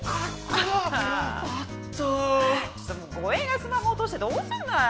ちょっともう護衛がスマホ落としてどうすんのよ。